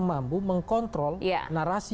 mampu mengkontrol narasi